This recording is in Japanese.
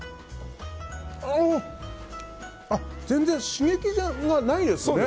全然刺激がないですね。